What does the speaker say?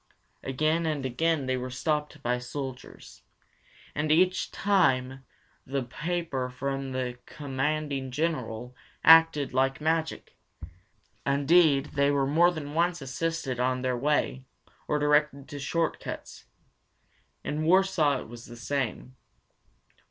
Again and again they were stopped by soldiers, and each time the paper from the Commanding General acted like magic. Indeed, they were more than once assisted on their way, or directed to short cuts. In Warsaw it was the same.